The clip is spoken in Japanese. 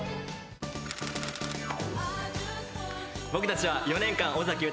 僕たちは４年間尾崎豊